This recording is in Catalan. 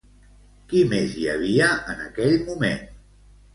Qui més hi havia en aquell moment?